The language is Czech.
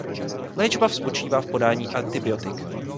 Léčba spočívá v podávání antibiotik.